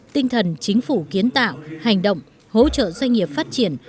tinh thần chính phủ kiến tạo hành động hỗ trợ doanh nghiệp phát triển